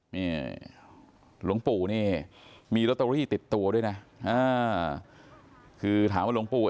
เนี้ยลุงปูนี่มีติดตัวด้วยน่ะอ่าคือถามว่าหลวงปู่